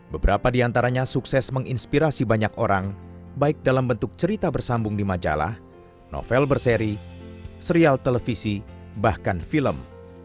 beberapa di antaranya sukses menginspirasi banyak orang baik dalam bentuk cerita bersambung di majalah novel berseri serial televisi bahkan film